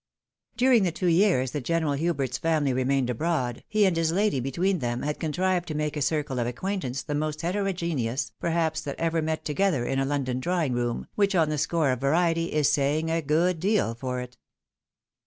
During the two years that General Hubert's family remained abroad, he and his lady between them had con trived to make a circle of acquaintance the most heterogeneous, perhaps, that ever met together in a London drawing room, which, on the score of variety, is saying a good deal for it.